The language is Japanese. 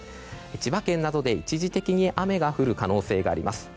千葉県などで一時的に雨の降る可能性があります。